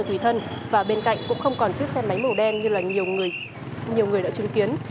tùy thân và bên cạnh cũng không còn chiếc xe máy màu đen như là nhiều người đã chứng kiến